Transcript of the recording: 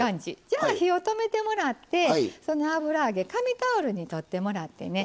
じゃあ火を止めてもらってその油揚げ紙タオルに取ってもらってね。